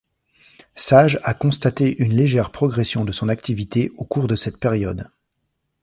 Sage a constaté une légère progression de son activité au cours de cette période.